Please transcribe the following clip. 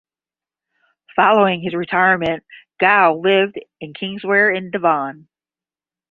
Following his retirement Gough lived in Kingswear in Devon.